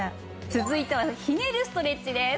続いてはひねるストレッチです。